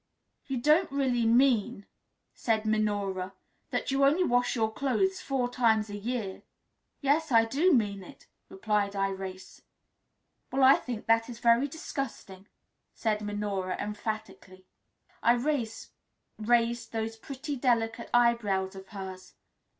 "You Don't Really Mean," Said Minora, "that You Only Wash Your Clothes Four Times A Year? "Yes, I do mean it," replied Irais. "Well, I think that is very disgusting," said Minora emphatically. Irais raised those pretty, delicate eyebrows of hers.